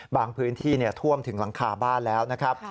พื้นที่ท่วมถึงหลังคาบ้านแล้วนะครับ